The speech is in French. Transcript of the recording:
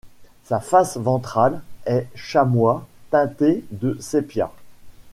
Sa face ventrale est chamois teinté de sépia.